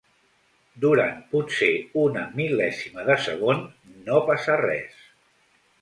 Durant potser una mil·lèsima de segon no passa res.